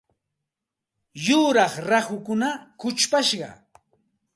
Yuraq rahukuna kuchupashqa.